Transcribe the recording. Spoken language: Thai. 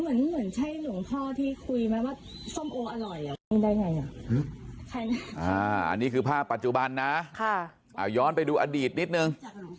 มันอะไรที่ตอบไม่ก็ไม่ต้องกล่อผมตอบเพราะมันจงจริง